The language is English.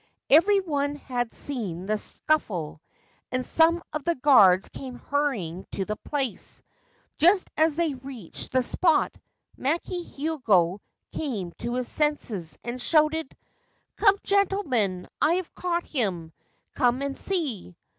Every one had seen the scuffle, and some of the guards came hurrying to the place. Just as they reached the spot Maki Hiogo came to his senses, and shouted :* Come, gentlemen ! I have caught him. Come and see